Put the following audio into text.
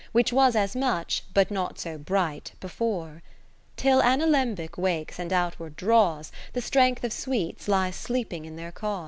Which was as much, but not so bright, before. Till an Alembic wakes and outward draws, The strength of sweets lies sleeping in their cause : 60 •Tenant' or 'tenet'?